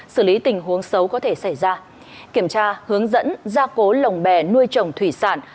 xử lý tình huống xấu có thể xảy ra kiểm tra hướng dẫn gia cố lồng bè nuôi trồng thủy sản